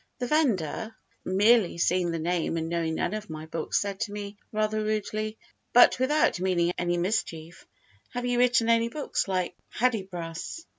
The vendor, merely seeing the name and knowing none of my books, said to me, rather rudely, but without meaning any mischief: "Have you written any books like Hudibras?"